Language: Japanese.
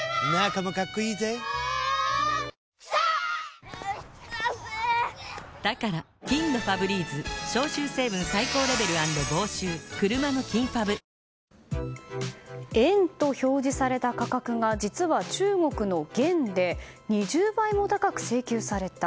「ほんだし」で円と表示された価格が実は中国の元で２０倍も高く請求された。